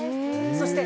そして。